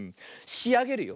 しあげるよ。